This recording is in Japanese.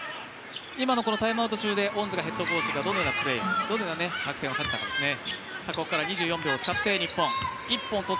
今のタイムアウト中で恩塚ヘッドコーチがどのような作戦を立てたかですね。